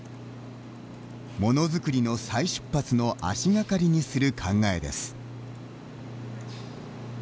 ものづくりの再出発の足がかりにする考えです。